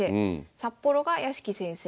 札幌が屋敷先生